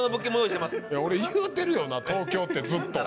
いや俺言うてるよな東京ってずっと。